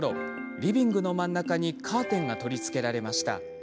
リビングの真ん中にカーテンが取り付けられました。